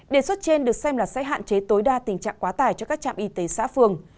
đề xuất trên được xem là sẽ hạn chế tối đa tình trạng quá tải cho các trạm y tế xã phường